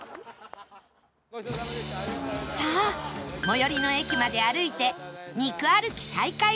さあ最寄りの駅まで歩いて肉歩き再開です